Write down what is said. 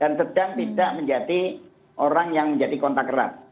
dan sedang tidak menjadi orang yang menjadi kontak erat